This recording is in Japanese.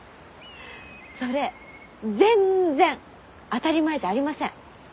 それ全然当たり前じゃありません！